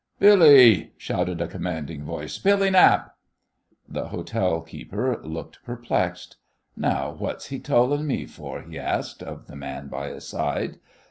"Billy!" shouted a commanding voice, "Billy Knapp!" The hotel keeper looked perplexed. "Now, what's he tollin' me for?" he asked of the man by his side.